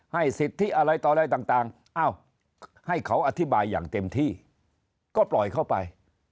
สิทธิอะไรต่ออะไรต่างให้เขาอธิบายอย่างเต็มที่ก็ปล่อยเข้าไป